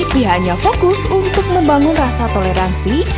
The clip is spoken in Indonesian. pihaknya fokus untuk membangun rasa toleransi